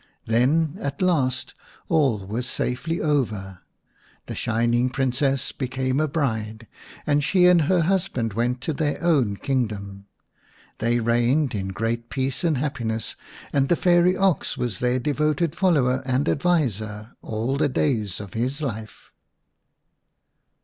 Then at last all was safely over. The Shining Princess became a bride, and she and her husband went to their own kingdom. They reigned in great peace and happiness, and the fairy ox was their devoted follower and adviser all the days of his life.